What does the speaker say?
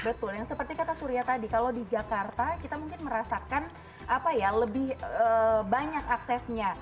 betul yang seperti kata surya tadi kalau di jakarta kita mungkin merasakan lebih banyak aksesnya